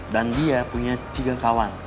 dan dia punya tiga kawan